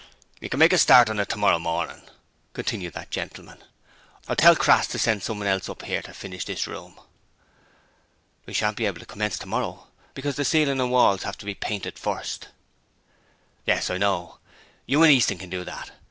'You can make a start on it tomorrow morning,' continued that gentleman. 'I'll tell Crass to send someone else up 'ere to finish this room.' 'I shan't be able to commence tomorrow, because the ceiling and walls will have to be painted first.' 'Yes: I know. You and Easton can do that.